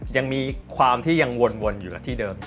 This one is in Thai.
ยังมีความที่ยังวนอยู่กับที่เดิม